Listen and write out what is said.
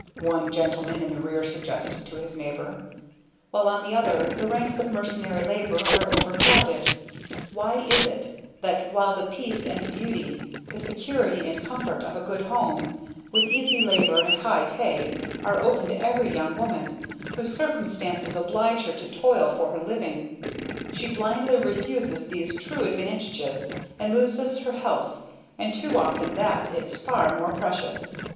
one gentleman in the rear suggested to his neighbor) "while on the other the ranks of mercenary labor are overcrowded. Why is it that while the peace and beauty, the security and comfort, of a good home, with easy labor and high pay, are open to every young woman, whose circumstances oblige her to toil for her living, she blindly refuses these true advantages and loses her health and too often what is far more precious!